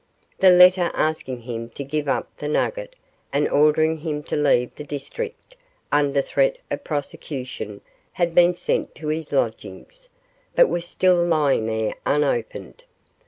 The letter asking him to give up the nugget and ordering him to leave the district under threat of prosecution had been sent to his lodgings, but was still lying there unopened.